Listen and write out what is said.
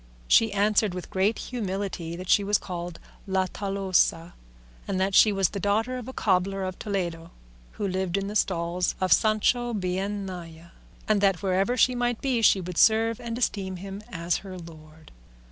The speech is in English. She answered with great humility that she was called La Tolosa, and that she was the daughter of a cobbler of Toledo who lived in the stalls of Sanchobienaya, and that wherever she might be she would serve and esteem him as her lord.